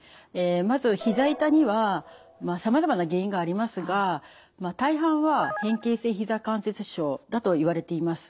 まずひざ痛にはさまざまな原因がありますが大半は変形性ひざ関節症だといわれています。